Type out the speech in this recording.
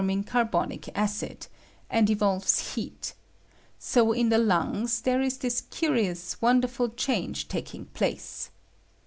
175 ing carbonic acid, and evolves heat ; so in the lungs there is this curious, wonderful change taking place.